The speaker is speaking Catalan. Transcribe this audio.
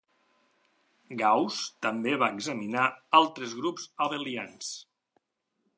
Gauss també va examinar altres grups abelians.